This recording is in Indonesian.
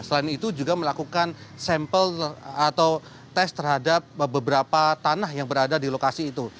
selain itu juga melakukan sampel atau tes terhadap beberapa tanah yang berada di lokasi itu